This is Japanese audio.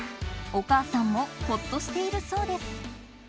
お母さんもほっとしているそうです。